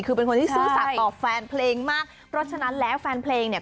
คือเป็นคนที่ซื่อสัตว์ต่อแฟนเพลงมากเพราะฉะนั้นแล้วแฟนเพลงเนี่ย